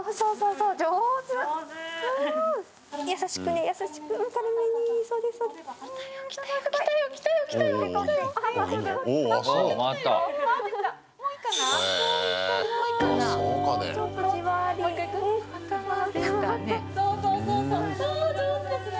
そう、上手ですね！